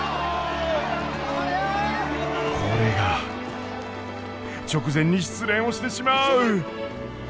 これが直前に失恋をしてしまう。